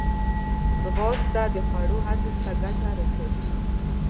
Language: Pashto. ځغاسته د خوړو هضم ته ګټه رسوي